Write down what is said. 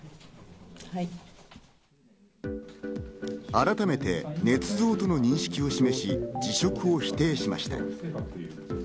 改めて、ねつ造との認識を示し、辞職を否定しました。